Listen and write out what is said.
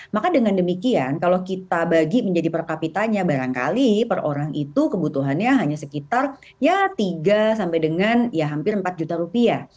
maka dengan demikian kalau kita bagi menjadi per kapitanya barangkali per orang itu kebutuhannya hanya sekitar ya tiga sampai dengan ya hampir empat juta rupiah